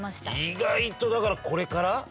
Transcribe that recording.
意外とだからこれから季節。